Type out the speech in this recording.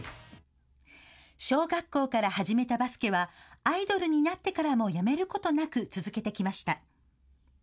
小学校から始めたバスケはアイドルになってからもやめることなく続けてきました。